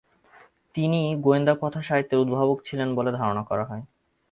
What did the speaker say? তিনি গোয়েন্দা কথাসাহিত্যের উদ্ভাবক ছিলেন বলে ধারণা করা হয়।